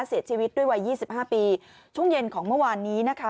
เสียชีวิตด้วยวัย๒๕ปีช่วงเย็นของเมื่อวานนี้นะคะ